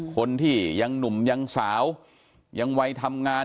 คนที่ยังหนุ่มยังสาวยังวัยทำงาน